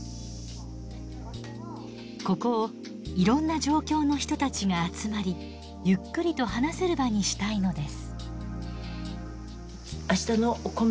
ここをいろんな状況の人たちが集まりゆっくりと話せる場にしたいのです。